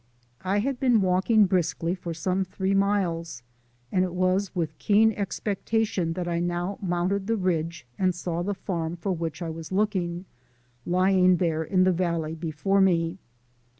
I had been walking briskly for some three miles, and it was with keen expectation that I now mounted the ridge and saw the farm for which I was looking, lying there in the valley before me.